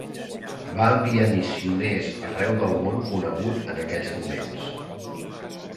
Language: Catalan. Va enviar missioners arreu del món conegut en aquells moments.